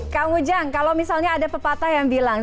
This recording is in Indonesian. kang ujang kalau misalnya ada pepatah yang bilang